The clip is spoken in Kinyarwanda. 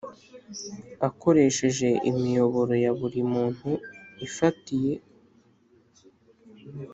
akoresheje imiyoboro ya buri muntu ifatiye